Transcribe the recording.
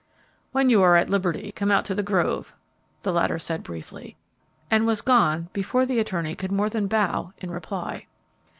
"When you are at liberty, come out to the grove," the latter said, briefly, and was gone before the attorney could more than bow in reply.